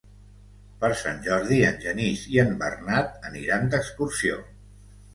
Per Sant Jordi en Genís i en Bernat aniran d'excursió.